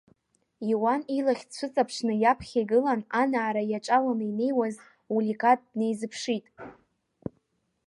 Иоан илахь дцәыҵыԥшны иаԥхьа игылан анаара иаҿаланы инеиуаз Улигат днеизыԥшит.